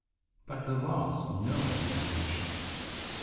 But there was no recognition.